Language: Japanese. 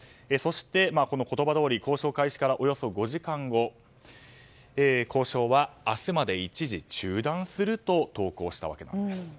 そして、この言葉どおり交渉開始からおよそ５時間後交渉は明日まで一時中断すると投稿したわけなんです。